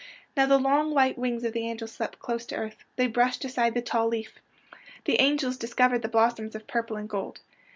Now the long white wings of the angel swept close to earth. They brushed aside the tall leaf. The angel dis covered the blossoms of purple and gold.